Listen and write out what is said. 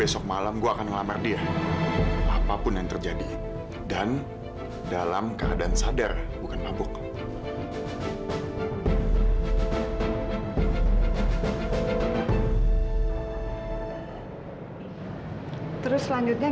sampai jumpa di video selanjutnya